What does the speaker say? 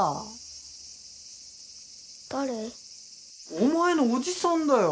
お前のおじさんだよ